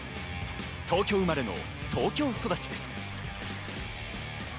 東京生まれの東京育ちです。